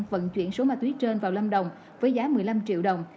vận chuyển số ma túy trên vào lâm đồng với giá một mươi năm triệu đồng